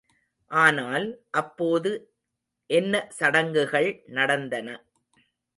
ஆனால், அப்போது என்ன சடங்குகள் நடந்தன.